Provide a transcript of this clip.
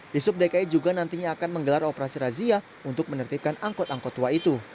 disub dki juga nantinya akan menggelar operasi razia untuk menetipkan angkot angkot tua itu